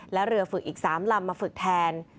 และเรือฝึกอีก๓ลำมาฝึกแทน